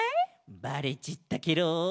バレちったケロ。